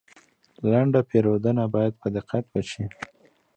لنډه پیرودنه باید په دقت وشي.